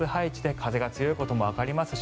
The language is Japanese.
風も強いこともわかりますし